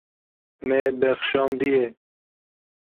Me bexşandiye.